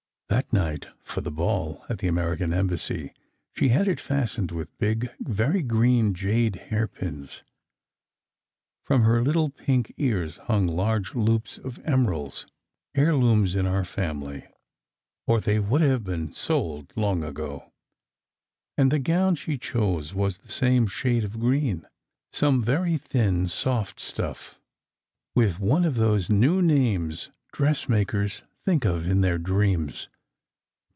That night for the ball at the American Embassy she had it fastened with big, very green jade hairpins. From her little pink ears hung long loops of emeralds (heirlooms in our family, or they would have been sold long ago) , and the gown she chose was the same shade of green: some very thin, soft stuff, with one of those new names dressmakers think of in their dreams.